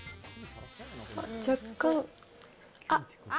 若干、あっ。